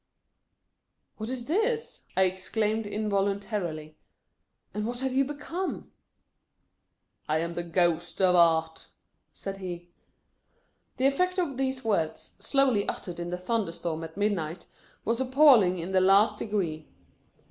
What is this ?" I exclaimed involuntarily, " and what have you become 1 "" I am the Ghost of Art !" said he. The effect of these words, slowly uttered in the thunderstorm at midnight, was appalling in the last degree.